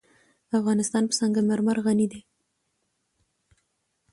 افغانستان په سنگ مرمر غني دی.